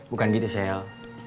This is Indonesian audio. bukan gitu sehel